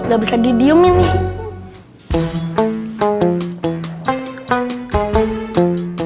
gak bisa didiumin nih